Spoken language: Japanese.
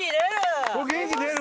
元気出る！